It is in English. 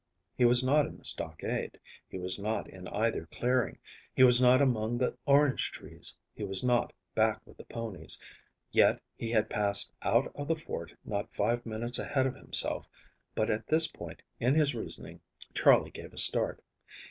He was not in the stockade; he was not in either clearing; he was not among the orange trees; he was not back with the ponies, yet he had passed out of the fort not five minutes ahead of himself, but at this point in his reasoning Charley gave a start.